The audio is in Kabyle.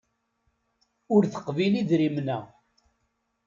Ur teqbil idrimen-a.